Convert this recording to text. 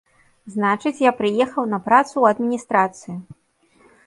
Значыць, я прыехаў на працу ў адміністрацыю.